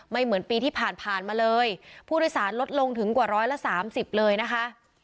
ไม่เหมือนปีที่ผ่านมาเลยผู้โดยสารลดลงถึงกว่า๑๓๐๐๐๐เลยนะคะ